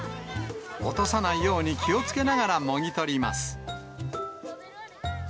落とさないように気をつけながらもぎ取ります。